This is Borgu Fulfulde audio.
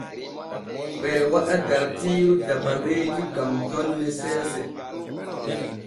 Ɓee waɗa dartiiru dabareeji gam jonne seese.